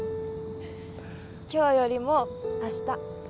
今日よりもあした。